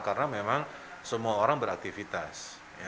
karena memang semua orang beraktivitas